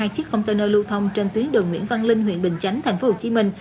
hai chiếc container lưu thông trên tuyến đường nguyễn văn linh huyện bình chánh tp hcm